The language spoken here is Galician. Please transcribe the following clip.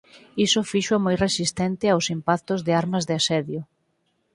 Iso fíxoa moi resistente aos impactos de armas de asedio.